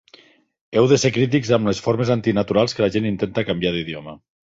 Heu de ser crítics amb les formes antinaturals que la gent intenta canviar d'idioma.